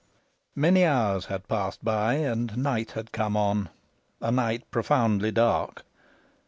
Many hours had passed by, and night had come on a night profoundly dark.